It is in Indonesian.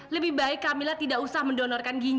lebih baik kamila tidak usah mendonorkan ginjalnya